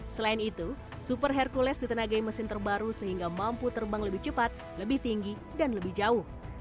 selain itu super hercules ditenagai mesin terbaru sehingga mampu terbang lebih cepat lebih tinggi dan lebih jauh